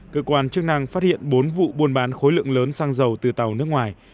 cơ quan chức năng phát hiện bốn vụ buôn bán khối lượng lớn xăng dầu từ tàu nước ngoài